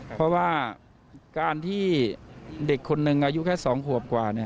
เพราะว่าการที่เด็กคนหนึ่งอายุแค่๒ขวบกว่า